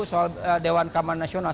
soal dewan kamar nasional